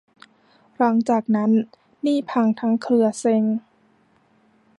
หลังจากนั้นนี่พังทั้งเครือ เซ็ง